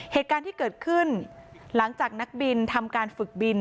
เหตุการณ์ที่เกิดขึ้นหลังจากนักบินทำการฝึกบิน